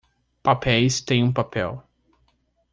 Papéis têm um papel